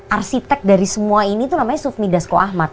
arsitek dari semua ini tuh namanya sufmi dasko ahmad